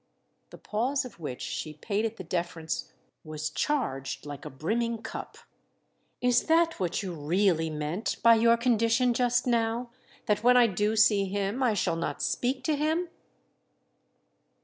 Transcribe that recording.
The pause of which she paid it the deference was charged like a brimming cup. "Is that what you really meant by your condition just now—that when I do see him I shall not speak to him?"